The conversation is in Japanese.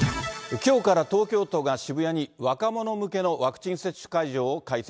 きょうから東京都が渋谷に若者向けのワクチン接種会場を開設。